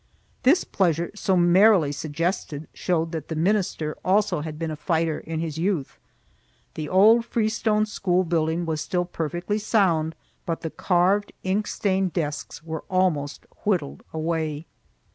This pleasure so merrily suggested showed that the minister also had been a fighter in his youth. The old freestone school building was still perfectly sound, but the carved, ink stained desks were almost whittled away.